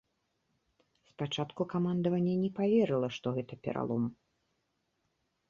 Спачатку камандаванне не паверыла, што гэта пералом.